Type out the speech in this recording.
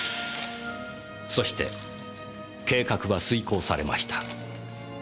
そして計画は遂行されました。